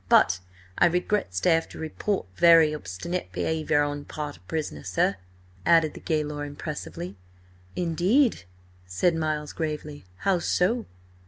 "But I regrets to 'ave to report very hobstinate be'aviour on part of pris'ner, sir," added the gaoler impressively. "Indeed?" said Miles gravely. "How so?"